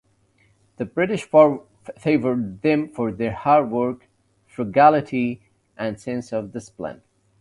The British favoured them for their "hard work, frugality and sense of discipline".